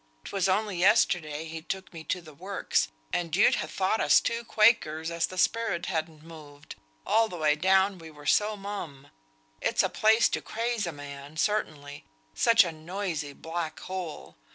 'Twas only yesterday he took me to the works, and you'd ha' thought us two Quakers as the spirit hadn't moved, all the way down we were so mum. It's a place to craze a man, certainly; such a noisy black hole!